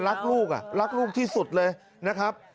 รักลูกรักลูกที่สุดเลยนะครับ